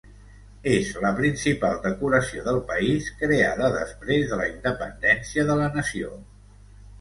És la principal decoració del país creada després de la independència de la nació.